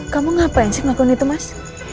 kamu ngapain sih ngelakuin itu mas